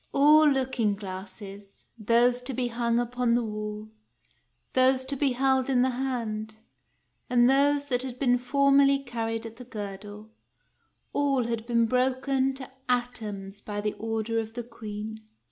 All looking glasses, — those to be hung upon the wall, those to be held in the hand, and those that had been formerly carried at the girdle, — all had been broken to atoms by the order of the Queen.